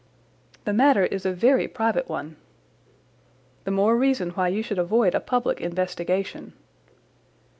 "The matter is a very private one." "The more reason why you should avoid a public investigation."